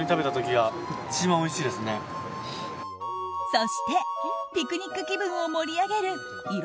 そしてピクニック気分を盛り上げる彩